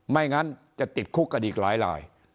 ไม่งั้นจะติดคุกกันอีกหลาย